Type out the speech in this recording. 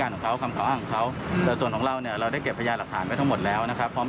แต่ส่วนของเราเราได้เก็บพยายามหลักฐานไปทั้งหมดแล้ว